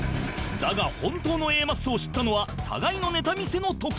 だが本当の Ａ マッソを知ったのは互いのネタ見せの時